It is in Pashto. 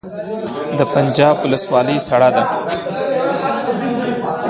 د پنجاب ولسوالۍ سړه ده